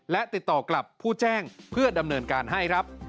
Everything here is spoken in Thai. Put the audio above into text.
และติดต่อกลับผู้แจ้งเพื่อดำเนินการให้ครับ